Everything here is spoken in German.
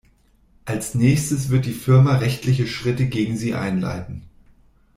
Als Nächstes wird die Firma rechtliche Schritte gegen sie einleiten.